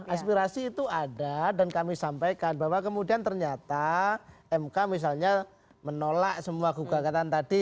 aspirasi itu ada dan kami sampaikan bahwa kemudian ternyata mk misalnya menolak semua gugatan tadi